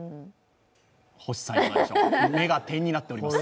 星さん、目が点になってます。